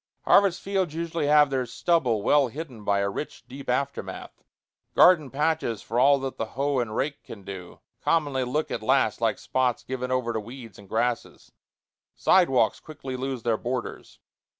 Harvest fields usually have their stubble well hidden by a rich, deep aftermath. Garden patches, for all that hoe and rake can do, commonly look at last like spots given over to weeds and grasses. Sidewalks quickly lose their borders.